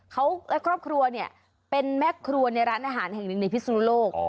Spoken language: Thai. เขาคบครัวเป็นแม่ครัวในร้านอาหารในภีษสนุโลก